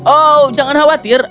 oh jangan khawatir